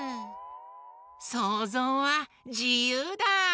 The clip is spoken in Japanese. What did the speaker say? そうぞうはじゆうだ！